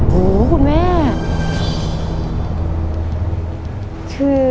โหคุณแม่